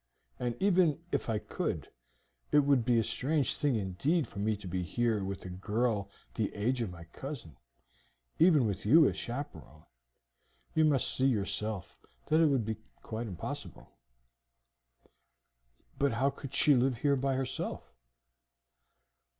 And even if I could, it would be a strange thing indeed for me to be here with a girl the age of my cousin, even with you as chaperon. You must see yourself that it would be quite impossible." "But how could she live here by herself?"